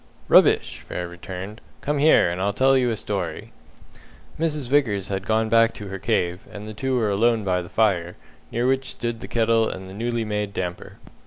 "Rubbish!" Frere returned. "Come here, and I'll tell you a story." Mrs. Vickers had gone back to her cave, and the two were alone by the fire, near which stood the kettle and the newly made damper.